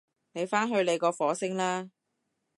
你返去你個火星啦